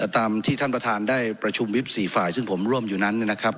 ตามที่ท่านประธานได้ประชุมวิบ๔ฝ่ายซึ่งผมร่วมอยู่นั้นนะครับ